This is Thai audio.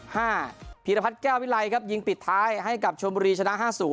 หินภัทรแก้ววิไลย์ครับยิงปิดท้ายให้กับชวมบุรีชนะ๕๐